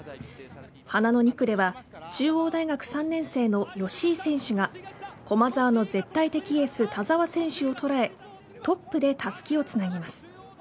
花の２区では中央大学３年生の吉居選手が駒澤の絶対的エース田澤選手を捉えトップでたすきをつなぎます。